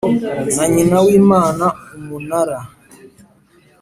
Ni nyina w imana umunara